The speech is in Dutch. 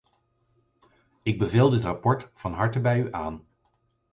Ik beveel dit rapport van harte bij u aan.